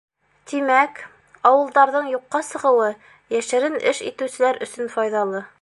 Тимәк, ауылдарҙың юҡҡа сығыуы йәшерен эш итеүселәр өсөн файҙалы.